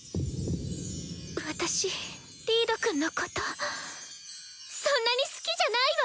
私リードくんのことそんなに好きじゃないわ。